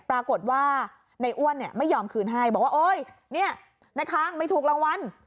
ปรากฏว่าในอ้วนเนี่ยไม่ยอมคืนให้บอกว่าโอ๊ยเนี่ยในค้างไม่ถูกรางวัล